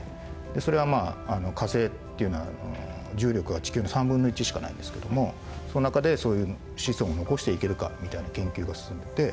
それはまあ火星っていうのは重力が地球の３分の１しかないんですけどもその中でそういう子孫を残していけるかみたいな研究が進んでいて。